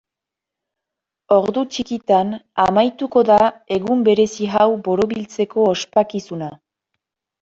Ordu txikitan amaituko da egun berezi hau borobiltzeko ospakizuna.